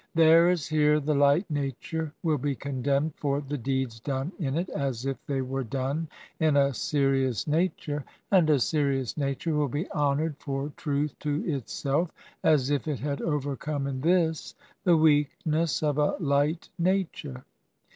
There as here, the light nature will be condemned for the deeds done in it as if they were done in a serious nature, and a serious nature will be honored for truth to itself as if it had overcome in this the weakness of a light nature.